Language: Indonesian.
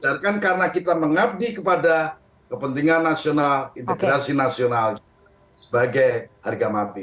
biarkan karena kita mengabdi kepada kepentingan nasional integrasi nasional sebagai harga mati